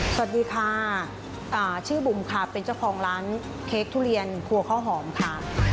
สวัสดีค่ะชื่อบุ๋มค่ะเป็นเจ้าของร้านเค้กทุเรียนครัวข้าวหอมค่ะ